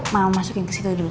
mau masukin ke situ dulu